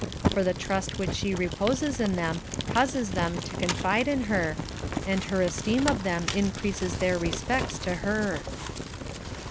For the trust which she reposes in them causes them to confide in her, and her es teem of them increases their respects to her.